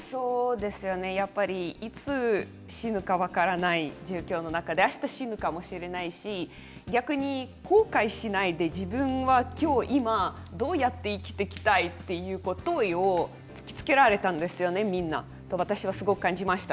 やっぱりいつ死ぬか分からない状況の中であした死ぬかもしれないし逆に後悔しないで自分は今日を今をどうやって生きていくのかという問いを突きつけられたと感じました。